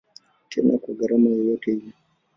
Tena kwa gharama yoyote ile.